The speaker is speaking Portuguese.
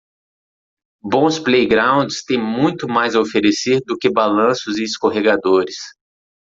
Bons playgrounds têm muito mais a oferecer do que balanços e escorregadores.